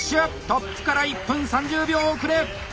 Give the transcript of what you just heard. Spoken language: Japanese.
トップから１分３０秒遅れ！